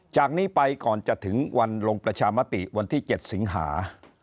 จากนี้ไปก่อนจะถึงวันลงประชามติวันที่๗สิงหา